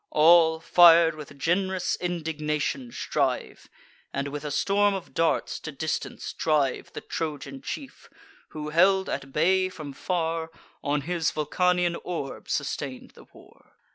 All, fir'd with gen'rous indignation, strive, And with a storm of darts to distance drive The Trojan chief, who, held at bay from far, On his Vulcanian orb sustain'd the war.